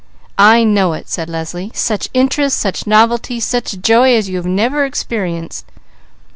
"I know it," said Leslie. "Such interest, such novelty, such joy as you never have experienced!"